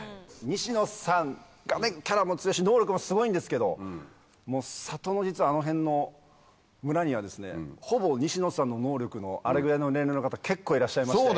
西野さんがねキャラも強いし能力もすごいんですけど里の実はあの辺の村にはですねほぼ西野さんの能力のあれぐらいの年齢の方結構いらっしゃいまして。